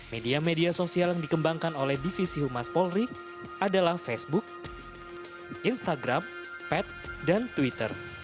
media media sosial yang dikembangkan oleh divisi humas polri adalah facebook instagram pad dan twitter